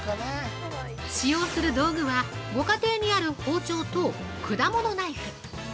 使用する道具はご家庭にある包丁と果物ナイフ。